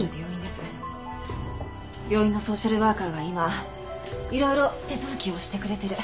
病院のソーシャルワーカーが今いろいろ手続きをしてくれてる。